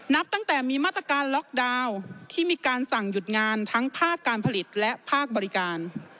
นับตั้งแต่มีมาตรการล็อกดาวน์ที่มีการสั่งหยุดงานทั้งภาคการผลิตและภาคบริการ